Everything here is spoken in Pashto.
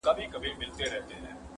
ستا دردونه خو کټ مټ لکه شراب دي،